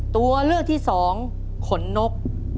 ตัวเลือกที่สองขนนก